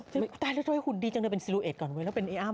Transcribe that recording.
ฉันก็ตายแล้วหุ่นดีจังได้เป็นสิลิวเอสก่อนเว้ยแล้วเป็นไอ้อ้ำ